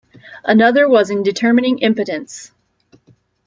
Another was in determining impotence.